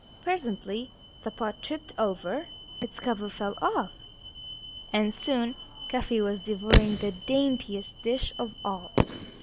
Presently the pot tipped over, its cover fell off, and soon Cuffy was devouring the daintiest dish of all!